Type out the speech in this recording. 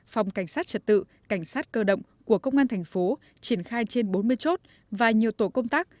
phòng cảnh sát trật tự cảnh sát cơ động của công an thành phố triển khai trên bốn mươi chốt và nhiều tổ công tác